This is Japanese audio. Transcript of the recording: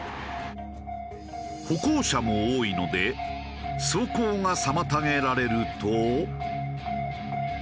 歩行者も多いので走行が妨げられると。